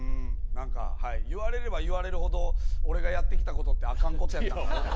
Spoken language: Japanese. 何かはい言われれば言われるほど俺がやってきたことってあかんことやったんかなって。